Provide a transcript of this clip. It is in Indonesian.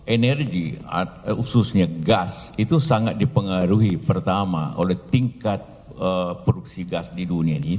energi khususnya gas itu sangat dipengaruhi pertama oleh tingkat produksi gas di dunia ini